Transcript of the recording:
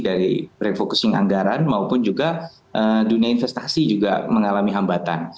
dari refocusing anggaran maupun juga dunia investasi juga mengalami hambatan